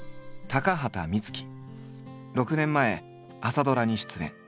６年前朝ドラに出演。